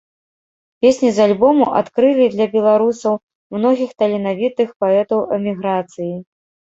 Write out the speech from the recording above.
Песні з альбому адкрылі для беларусаў многіх таленавітых паэтаў эміграцыі.